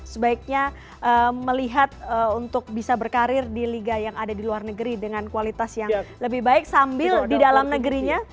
sebaiknya melihat untuk bisa berkarir di liga yang ada di luar negeri dengan kualitas yang lebih baik sambil di dalam negerinya